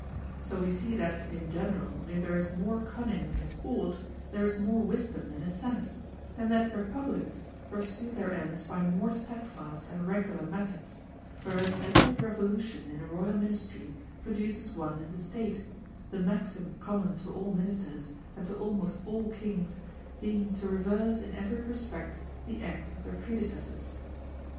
So we see that, in general, if there is more cunning in a court, there is more wisdom in a senate, and that repub lics pursue their ends by more steadfast and regular methods; whereas every revolution in a royal ministry produces one in the State, the maxim common to all min isters, and to almost all kings, being to reverse in every respect the acts of their predecessors.